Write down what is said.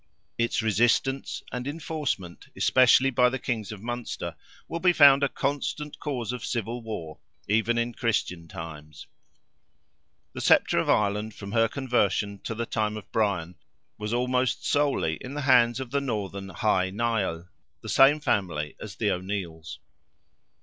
Its resistance, and enforcement, especially by the kings of Munster, will be found a constant cause of civil war, even in Christian times. The sceptre of Ireland, from her conversion to the time of Brian, was almost solely in the hands of the northern Hy Nial, the same family as the O'Neills.